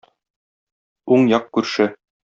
Уң як күрше.